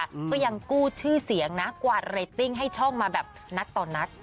ก็ยังกู้ชื่อเสียงนะกวาดเรตติ้งให้ช่องมาแบบนักต่อนัก